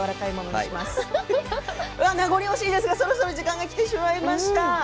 名残惜しいですがそろそろ時間がきてしまいました。